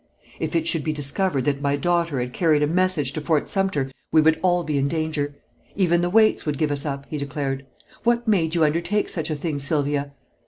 "If it should be discovered that my daughter had carried a message to Fort Sumter we would all be in danger; even the Waites would give us up," he declared. "What made you undertake such a thing, Sylvia?"